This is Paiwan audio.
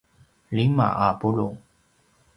lima a pulu’